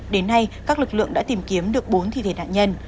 đến nay các lực lượng đã tìm kiếm được bốn thi thể nạn nhân